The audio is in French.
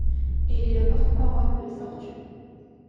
Il est le porte-parole de Sortu.